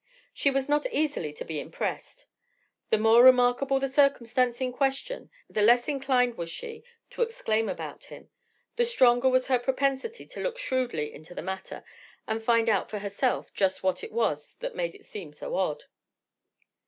She was not easily to be impressed. The more remarkable the circumstance in question, the less inclined was she to exclaim about it, the stronger was her propensity to look shrewdly into the matter and find out for herself just what it was that made it seem so odd.